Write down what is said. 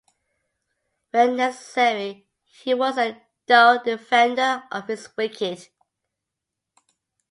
When necessary, he was a dour defender of his wicket.